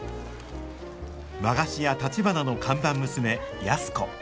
和菓子屋たちばなの看板娘安子